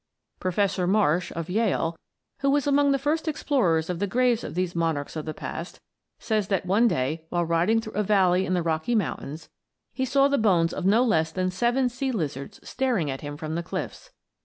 Professor Marsh, of Yale, who was among the first explorers of the graves of these monarchs of the past, says that one day, while riding through a valley in the Rocky Mountains, he saw the bones of no less than seven sea lizards staring at him from the cliffs.